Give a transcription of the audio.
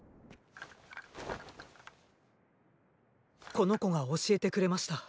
この子が教えてくれました。